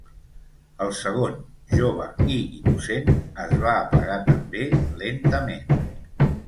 El segon, jove i innocent, es va apagar també, lentament.